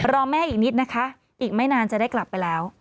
แม่อีกนิดนะคะอีกไม่นานจะได้กลับไปแล้ว